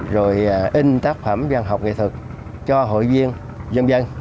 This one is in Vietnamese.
rồi in tác phẩm văn học nghệ thuật cho hội viên dân dân